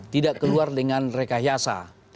tidak keluar dengan rekayasa